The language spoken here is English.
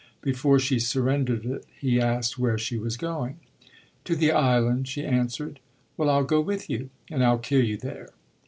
Before she surrendered it he asked where she was going. "To the island," she answered. "Well, I'll go with you and I'll kill you there."